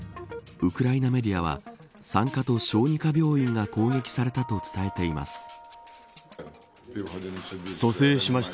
ウクライナメディアは産科と小児科病院が攻撃されたと伝えています。